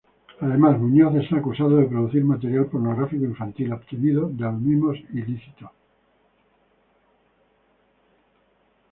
Además, Muñoz está acusado de producir material pornográfico infantil, obtenido de los mismos ilícitos.